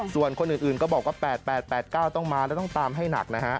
ส่วนคนอื่นก็บอกว่า๘๘๙ต้องมาแล้วต้องตามให้หนักนะฮะ